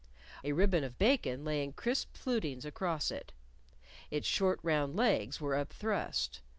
A ribbon of bacon lay in crisp flutings across it. Its short round legs were up thrust.